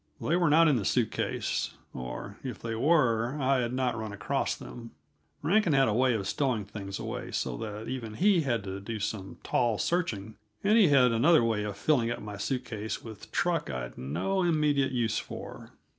They were not in the suit case or, if they were, I had not run across them. Rankin had a way of stowing things away so that even he had to do some tall searching, and he had another way of filling up my suit cases with truck I'd no immediate use for.